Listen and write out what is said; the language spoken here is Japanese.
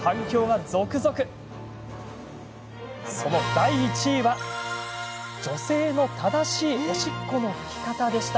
第１位は、女性の正しいおしっこの拭き方でした。